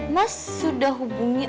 mas sudah hubungi